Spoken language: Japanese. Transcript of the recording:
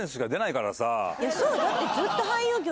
そうだって。